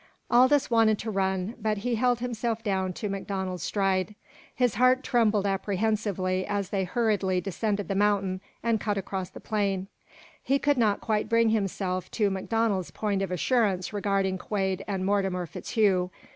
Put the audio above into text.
Aldous wanted to run, but he held himself down to MacDonald's stride. His heart trembled apprehensively as they hurriedly descended the mountain and cut across the plain. He could not quite bring himself to MacDonald's point of assurance regarding Quade and Mortimer FitzHugh.